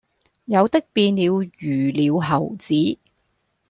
有的變了魚鳥猴子，